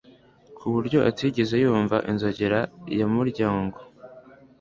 kuburyo atigeze yumva inzogera yumuryango